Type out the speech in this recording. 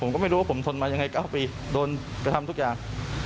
ก็ทำทุกอย่าง